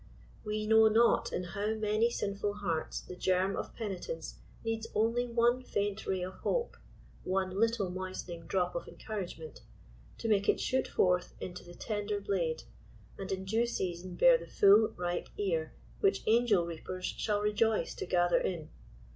We know not in how many sinful hearts the germ of penitence needs only one faint ray of hope, one little moistening drop of encourage ment, to make it shoot forth into the tender blade, and in due 28 season tear the full, ripe ear which angel reapers shall rejoice to gather in.